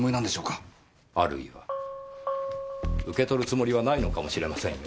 あるいは受け取るつもりはないのかもしれませんよ。